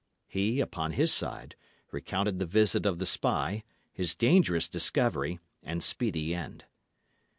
He, upon his side, recounted the visit of the spy, his dangerous discovery, and speedy end.